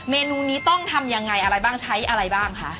เมนูนี้ต้องทำยังไงอะไรบ้างใช้อะไรบ้างคะ